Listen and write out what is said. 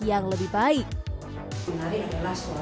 dan juga memiliki kekuatan otak